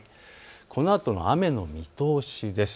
このあとの雨の見通しです。